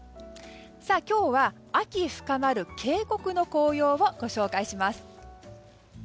今日は秋深まる渓谷の紅葉をご紹介します。